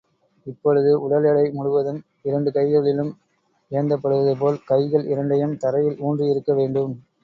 இப்பொழுது உடல் எடை முழுவதும் இரண்டு கைகளிலும் ஏந்தப்படுவது போல், கைகள் இரண்டையும் தரையில் ஊன்றியிருக்க வேண்டும்.